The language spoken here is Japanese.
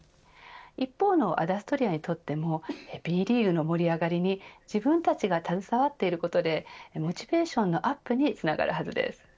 一方のアダストリアにとってもＢリーグの盛り上がりに自分たちが携わっていることでモチベーションのアップにつながるはずです。